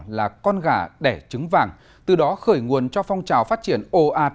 là con gà đẻ trứng vàng từ đó khởi nguồn cho phong trào phát triển ồ ạt